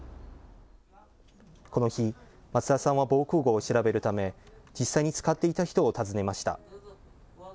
この日、松田さんは防空ごうを調べるため、実際に使っていた人を訪ねました。